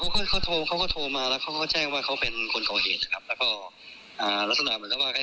เขาก็โทรมาแล้วเขาแจ้งว่าเป็นคนก่อเหตุนะครับ